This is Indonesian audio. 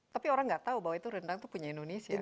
tapi orang gak tau bahwa itu rendang itu punya indonesia kan